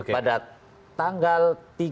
pada tanggal tiga